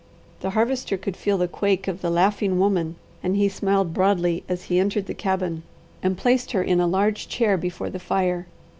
The Harvester could feel the quake of the laughing woman and he smiled broadly as he entered the cabin, and placed her in a large chair before the fire.